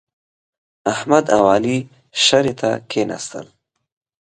احمد او علي شرعې ته کېناستل.